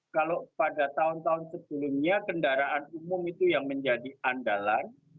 kalau pada tahun tahun sebelumnya kendaraan umum itu yang menjadi andalan